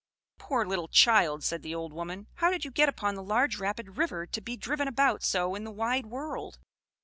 "Poor little child!" said the old woman. "How did you get upon the large rapid river, to be driven about so in the wide world!"